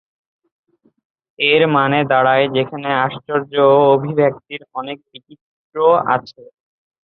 এর মানে দাঁড়ায়, সেখানে আশ্চর্য অভিব্যক্তির অনেক বৈচিত্র্য আছে।